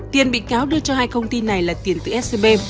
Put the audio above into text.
tiền bị cáo đưa cho hai công ty này là tiền từ scb